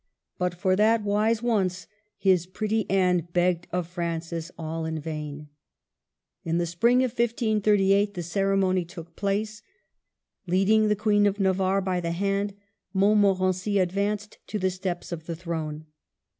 But for that wise once his pretty Anne begged of Francis all in vain. In the spring of 1538 the ceremony took place. Leading the Queen of Navarre by the hand, Montmorency advanced to the steps of the throne.